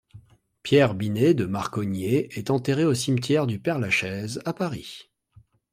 Pierre Binet de Marcognet est enterré au cimetière du Père Lachaise à Paris.